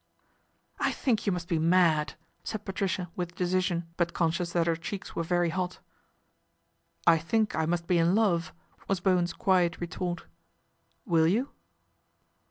" I think you must be mad," said Patricia with decision ; but conscious that her cheeks were very hot. " I think I must be in love," was Bowen's quiet retort. " Will you